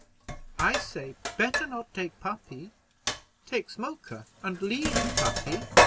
I say better not take puppy. Take Smoker, and leave puppy."